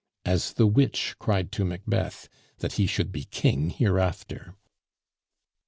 as the witch cried to Macbeth that he should be king hereafter!